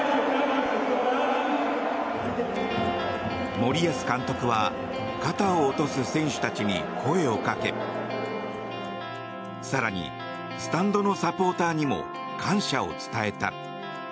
森保監督は肩を落とす選手たちに声をかけ更に、スタンドのサポーターにも感謝を伝えた。